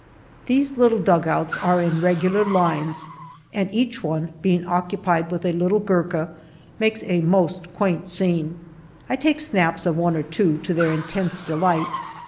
These little dugouts are in regular lines, and each one being occupied with a little Gurkha makes a most quaint scene. I take snaps of one or two, to their intense delight.